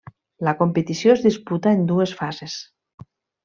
La competició es disputa en dues fases.